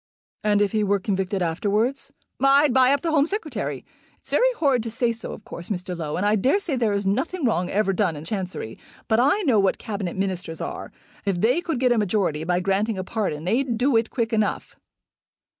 "And if he were convicted afterwards?" "I'd buy up the Home Secretary. It's very horrid to say so, of course, Mr. Low; and I dare say there is nothing wrong ever done in Chancery. But I know what Cabinet Ministers are. If they could get a majority by granting a pardon they'd do it quick enough."